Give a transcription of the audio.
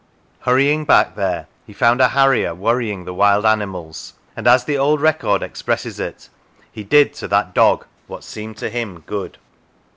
Hurry ing back there he found a harrier worrying the wild animals, and, as the old record expresses it, he did to that dog what seemed to him good.